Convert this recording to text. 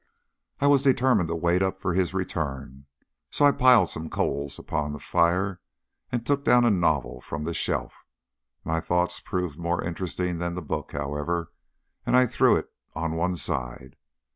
I was determined to wait up for his return, so I piled some coals upon the fire and took down a novel from the shelf. My thoughts proved more interesting than the book, however, and I threw it on one side.